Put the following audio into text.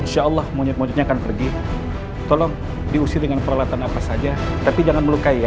insya allah monyet monyetnya akan pergi tolong diusir dengan peralatan apa saja tapi jangan melukai ya